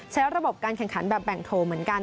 ระบบการแข่งขันแบบแบ่งโทเหมือนกัน